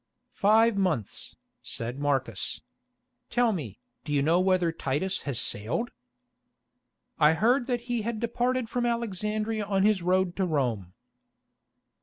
"Five months," said Marcus. "Tell me, do you know whether Titus has sailed?" "I heard that he had departed from Alexandria on his road to Rome."